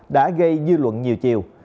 đã gây dư luận nhiều chiều